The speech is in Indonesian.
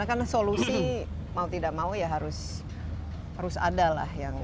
tapi solusi mau tidak mau ya harus ada lah yang